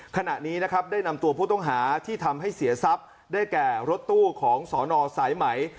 ขณะนี้นะครับได้นำตัวผู้ต้องหาที่ทำให้เสียทรัพย์ได้แก่รถตู้ของสนสายไหม